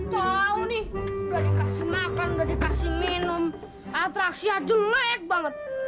kau nih udah dikasih makan udah dikasih minum atraksi aja lelek banget